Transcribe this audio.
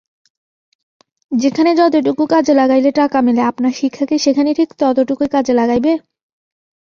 যেখানে যতটুকু কাজে লাগাইলে টাকা মেলে আপনার শিক্ষাকে সেখানে ঠিক ততটুকুই কাজে লাগাইবে?